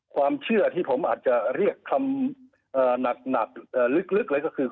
ความเชื่อที่ผมอาจจะเรียกคำหนักลึกเลยก็คือ